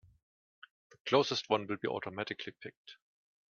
The closest one will be automatically picked.